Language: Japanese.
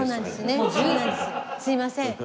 すいません。